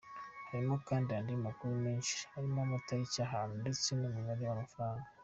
Harimo kandi andi makuru menshi, arimo amatariki, ahantu ndetse n’umubare w’amafaranga.